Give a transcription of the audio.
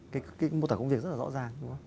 cái mô tả công việc rất là rõ ràng